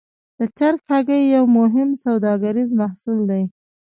د چرګ هګۍ یو مهم سوداګریز محصول دی.